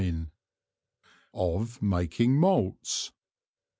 II Of making Malts.